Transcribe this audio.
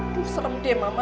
aduh serem deh mama